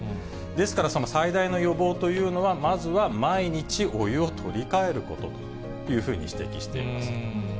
ですからその最大の予防というのは、まずは毎日お湯を取り替えることというふうに指摘しています。